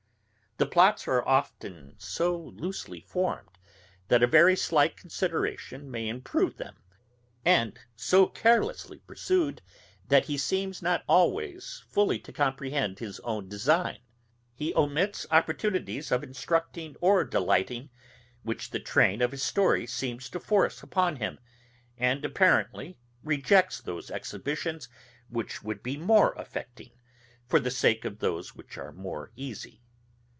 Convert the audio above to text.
The plots are often so loosely formed, that a very slight consideration may improve them, and so carelessly pursued, that he seems not always fully to comprehend his own design. He omits opportunities of instructing or delighting which the train of his story seems to force upon him, and apparently rejects those exhibitions which would be more affecting, for the sake of those which are more easy.